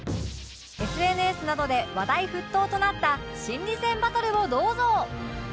ＳＮＳ などで話題沸騰となった心理戦バトルをどうぞ！